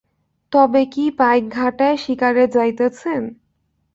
তবে কি পাইকঘাটায় শিকারে যাইতেছেন?